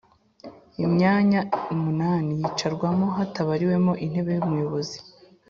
imyanya umunani yicarwamo hatabariwemo intebe y'umuyobozi